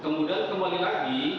kemudian kembali lagi